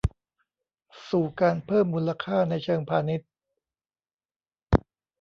สู่การเพิ่มมูลค่าในเชิงพาณิชย์